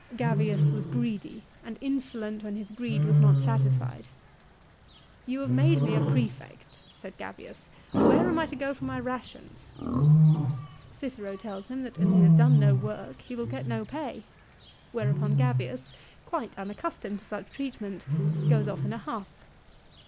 Gavius was greedy, and insolent when his greed was not satisfied. " You have made me a prefect," said Gavius ;" where am I to go for my rations?" Cicero tells him that as he has done no work he will get no pay ; whereupon Gavius, quite unaccustomed to such treatment, goes off in a huff.